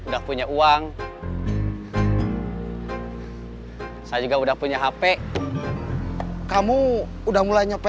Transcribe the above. terus hp nya bisa ditelepon